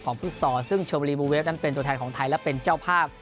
ของพุทธศรซึ่งโชมอลีบูเวฟนั้นเป็นตัวแทนของไทยและเป็นเจ้าภาพ